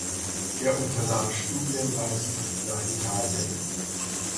Er unternahm Studienreisen nach Italien.